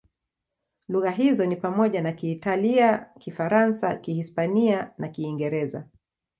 Lugha hizo ni pamoja na Kiitalia, Kifaransa, Kihispania na Kiingereza.